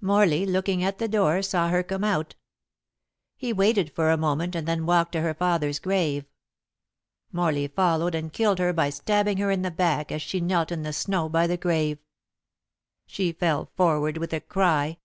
Morley looking at the door saw her come out. She waited for a moment and then walked to her father's grave. Morley followed and killed her by stabbing her in the back as she knelt in the snow by the grave. She fell forward with a cry.